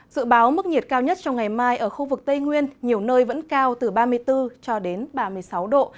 dự báo mức nhiệt cao nhất trong ngày mai ở khu vực tây nguyên nhiều nơi vẫn cao từ ba mươi bốn cho đến ba mươi sáu độ